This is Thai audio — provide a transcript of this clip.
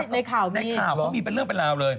ในข่าวเขามีเป็นเรื่องเป็นราวเลย